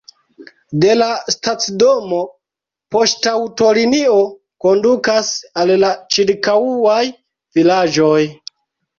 De la stacidomo poŝtaŭtolinio kondukas al la ĉirkaŭaj vilaĝoj.